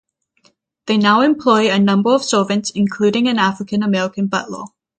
They now employ a number of servants, including an African American butler.